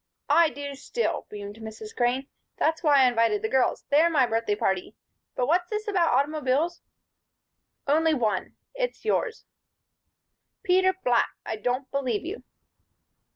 "I do still," beamed Mrs. Crane. "That's why I invited the girls; they're my birthday party. But what's this about automobiles?" "Only one. It's yours." "Peter Black! I don't believe you."